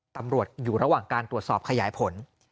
ตำรวจอยู่ระหว่างการตรวจสอบขยายผล